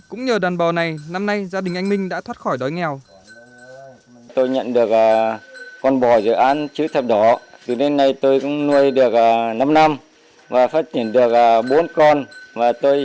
cũng nhờ đàn bò này năm nay gia đình anh minh đã thoát khỏi đói nghèo